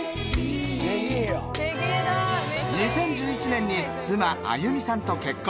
２０１１年に妻亜由美さんと結婚。